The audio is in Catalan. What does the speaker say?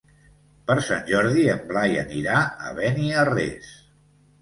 Per Sant Jordi en Blai anirà a Beniarrés.